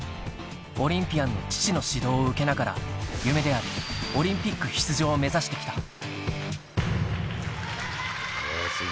オリンピアンの父の指導を受けながら夢であるオリンピック出場を目指して来た